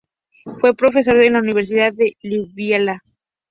Fue profesor en la Universidad de Liubliana.